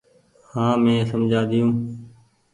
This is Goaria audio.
هآنٚ مينٚ سمجهآ ۮيو